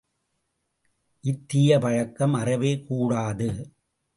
இத்தீய பழக்கம் அறவே கூடாது.